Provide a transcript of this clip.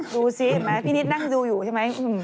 ดูสิเห็นไหมพี่นิดนั่งดูอยู่ใช่ไหม